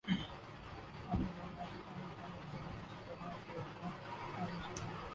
آپ نے فرمایا: شیطان انسانی جسم میں اسی طرح گرداں ہے جیسے خون گرداں ہے